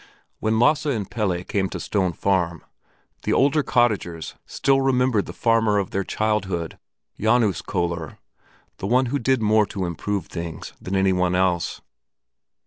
When Lasse and Pelle came to Stone Farm, the older cottagers still remembered the farmer of their childhood, Janus Köller, the one who did more to improve things than any one else.